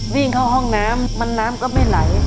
วิ่งเข้าห้องน้ำมันน้ำก็ไม่ไหล